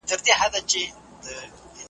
کله وخت کله ناوخته مي وهلی .